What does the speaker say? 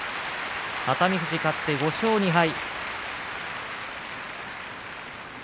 熱海富士勝って５勝２敗。